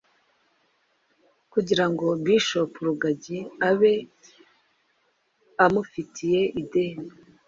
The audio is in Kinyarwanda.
kugirango bishop rugagi abe amufitiye ideni